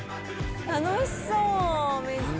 楽しそうめっちゃ。